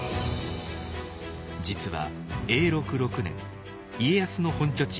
実は永禄６年家康の本拠地